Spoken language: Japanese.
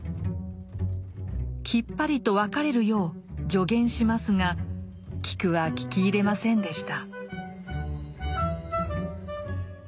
きっぱりと別れるよう助言しますがキクは聞き入れませんでした。